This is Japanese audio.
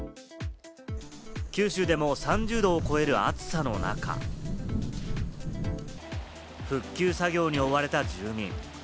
九州でも３０度を超える暑さの中、復旧作業に追われた住民。